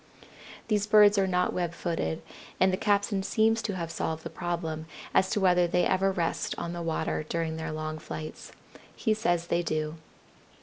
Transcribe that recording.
These birds are not web footed, and the captain seems to have solved the problem as to whether they ever rest on the water during their long flights. He says they do.